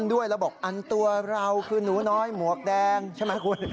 ด้วยแล้วบอกอันตัวเราคือหนูน้อยหมวกแดงใช่ไหมคุณ